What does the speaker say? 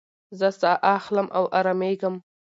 زه ساه اخلم او ارامېږم.